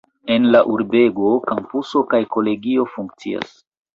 En la urbego kampuso kaj kolegio funkcias.